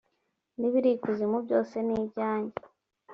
n ibiri i kuzimu byose ni ibyanjye